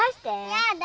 やだ！